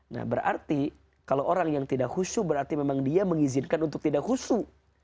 nah berarti kalau orang yang tidak khusyuk berarti memang dia mengizinkan untuk tidak khusyuk